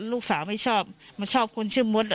ลูกสาวไม่ชอบไม่ชอบคนชื่อมด